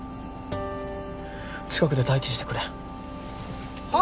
近くで待機してくれはっ？